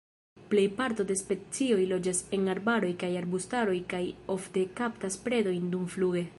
Plej parto de specioj loĝas en arbaroj kaj arbustaroj kaj ofte kaptas predojn dumfluge.